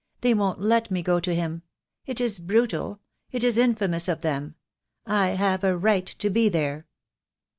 They won't let me go to him. It is brutal, it is infamous of them. I have a right to be there."